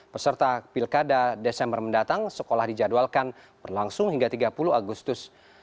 peserta pilkada desember mendatang sekolah dijadwalkan berlangsung hingga tiga puluh agustus